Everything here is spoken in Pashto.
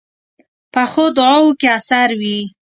پخو دعاوو کې اثر وي